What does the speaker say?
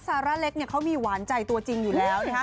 ซาร่าเล็กเขามีหวานใจตัวจริงอยู่แล้ว